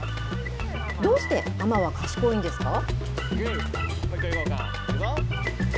どうしてハマは賢いんですか？